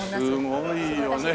すごいよね。